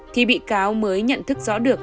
thì bị cáo mới nhận thức rõ được